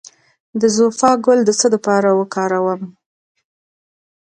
د زوفا ګل د څه لپاره وکاروم؟